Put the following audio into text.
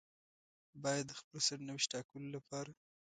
بايد د خپل سرنوشت ټاکلو لپاره.